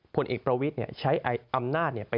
คนเอกประวิษย์เนี่ยใช้อำนาจไป